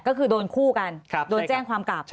ก็คือโดนคู่กันโดนแจ้งความกลับ